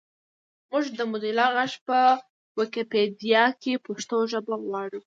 مونږ د موزیلا غږ په ویکیپېډیا کې پښتو ژبه غواړو